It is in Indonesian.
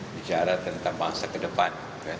bicara tentang bangsa kedepan